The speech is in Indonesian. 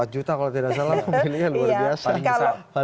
tiga puluh empat juta kalau tidak salah pemiliknya luar biasa